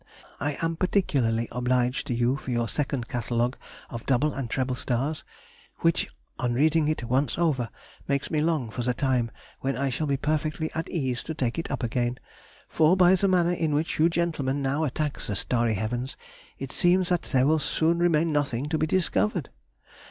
I am particularly obliged to you for your second Catalogue of double and treble stars, which on reading it once over, makes me long for the time when I shall be perfectly at ease to take it up again; for, by the manner in which you gentlemen now attack the starry heavens, it seems that there will soon remain nothing to be discovered.